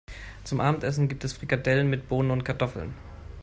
Zum Abendessen gibt es Frikadellen mit Bohnen und Kartoffeln.